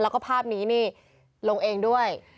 แล้วก็ภาพนี้นี่ลงเองด้วย